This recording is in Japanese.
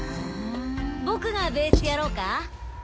僕がベースやろうか？